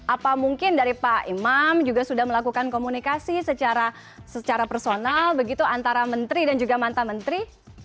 apa mungkin dari pak imam juga sudah melakukan komunikasi secara personal begitu antara menteri dan juga mantan menteri